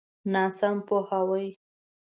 ناسم پوهاوی.